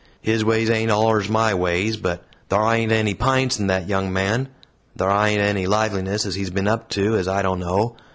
His ways ain't allers my ways, but thar ain't any p'ints in that young man, thar ain't any liveliness as he's been up to, as I don't know.